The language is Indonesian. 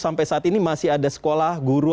sampai saat ini masih ada sekolah guru